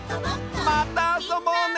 またあそぼうね！